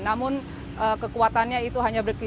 namun kekuatannya itu hanya berkegiatan